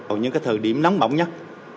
ở những thời điểm nắm bỏng nhất